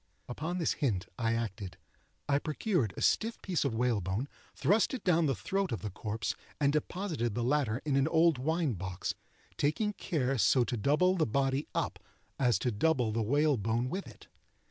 Upon this hint I acted. I procured a stiff piece of whalebone, thrust it down the throat of the corpse, and deposited the latter in an old wine box—taking care so to double the body up as to double the whalebone with it.